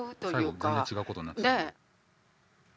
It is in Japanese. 最後全然違うことになって。